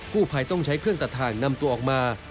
ผู้ภัยต้องใช้เครื่องตัดทางนำตัวออกมา